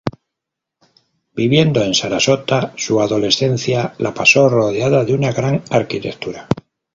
Viviendo en Sarasota, su adolescencia la pasó rodeada de una gran arquitectura.